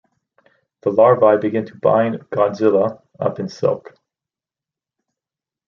The larvae begin to bind Godzilla up in silk.